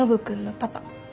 パパ？